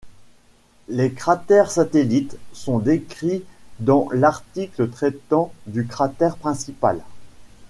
Les cratères satellites sont décrits dans l'article traitant du cratère principal.